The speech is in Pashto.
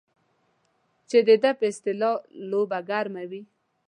چې د ده په اصطلاح لوبه ګرمه وي.